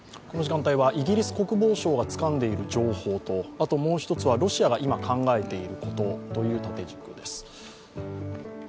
この時間帯はイギリス国防省がつかんでいる情報と、もう１つはロシアが今考えていることという縦軸です。